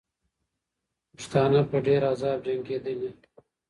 پښتانه په ډېر عذاب جنګېدلې.